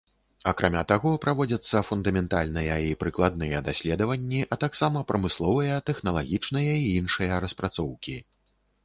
Акрамя таго, праводзяцца фундаментальныя і прыкладныя даследаванні, а таксама прамысловыя, тэхналагічныя і іншыя распрацоўкі.